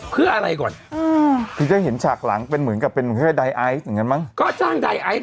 เพื่ออะไรก่อน